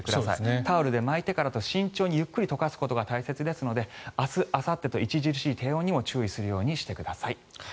タオルで巻いてから、慎重に溶かすことが大切ですので明日あさってなど著しい低温に注意してください。